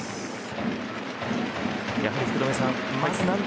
やはり福留さん。